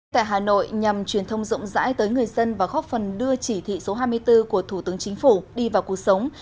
tại hà nội nhằm truyền thông rộng rãi tới người dân và góp phần đưa chỉ thị số hai mươi bốn của thủ tướng chính phủ đi vào cuộc sống